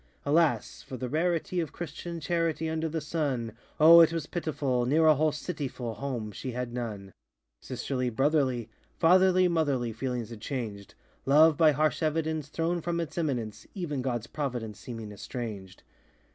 Alas! for the rarity Of Christian charity Under the sun! Oh! it was pitiful! Near a whole city full, Home she had none. Sisterly, brotherly, Fatherly, motherly, Feelings had changed: Love, by harsh evidence, Thrown from its eminence; Even GodŌĆÖs providence Seeming estranged.